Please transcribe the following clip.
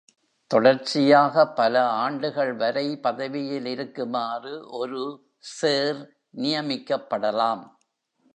தொடர்ச்சியாக பல ஆண்டுகள் வரை பதவியில் இருக்குமாறு ஒரு ‘சேர்’ நியமிக்கப்படலாம்.